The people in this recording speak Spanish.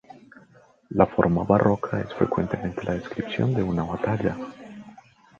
La forma barroca es frecuentemente la descripción de una batalla.